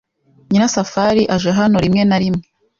Nyirasafari aje hano rimwe na rimwe.